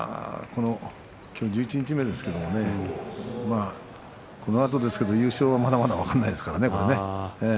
今日は十一日目ですけれどこのあとですけど、優勝はまだまだ分からないですからね。